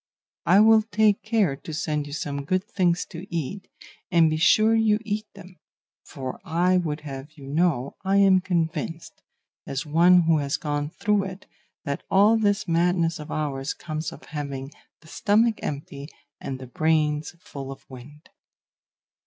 I will take care to send you some good things to eat; and be sure you eat them; for I would have you know I am convinced, as one who has gone through it, that all this madness of ours comes of having the stomach empty and the brains full of wind.